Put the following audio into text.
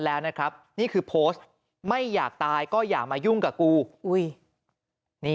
แล้วนะครับนี่คือโพสต์ไม่อยากตายก็อย่ามายุ่งกับกูอุ้ยนี่